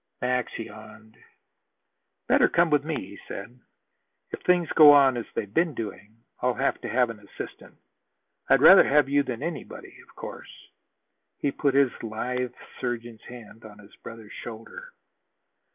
Max yawned. "Better come with me," he said. "If things go on as they've been doing, I'll have to have an assistant. I'd rather have you than anybody, of course." He put his lithe surgeon's hand on his brother's shoulder.